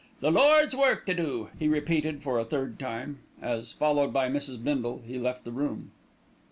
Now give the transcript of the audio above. "The Lord's work to do," he repeated for a third time as, followed by Mrs. Bindle, he left the room.